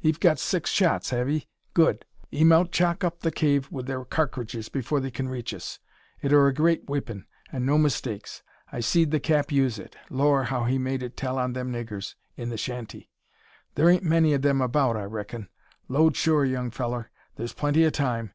'Ee've got six shots, have 'ee? Good! 'Ee mout chock up the cave wi' their karkidges afore they kin reach us. It ur a great weepun, an' no mistakes. I seed the cap use it. Lor'! how he made it tell on them niggers i' the shanty! Thur ain't many o' them about, I reckin. Load sure, young fellur! Thur's plenty o' time.